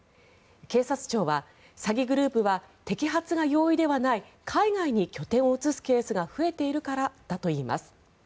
警察庁は、詐欺グループは摘発が容易ではない海外に拠点を移すケースが増えているからだといいます。